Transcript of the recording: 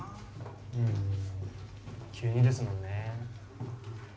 うん急にですもんね。